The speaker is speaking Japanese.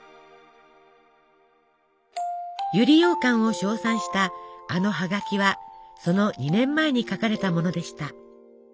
百合ようかんを称賛したあのハガキはその２年前に書かれたものでした。